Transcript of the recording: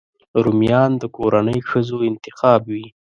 رومیان د کورنۍ ښځو انتخاب وي